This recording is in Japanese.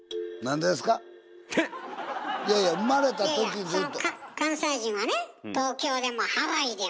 いやいや生まれたときずっと。